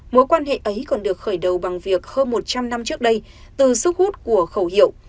mối quan hệ ấy còn được khởi đầu bằng việc hơn một trăm linh năm trước đây từ sức hút của khẩu hiệu